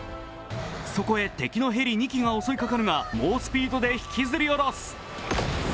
そこへ敵のヘリ２機が襲いかかるが猛スピードで引きずり下ろす。